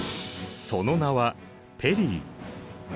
その名はペリー。